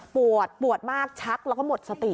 ปวดปวดมากชักแล้วก็หมดสติ